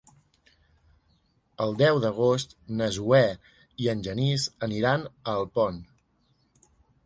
El deu d'agost na Zoè i en Genís aniran a Alpont.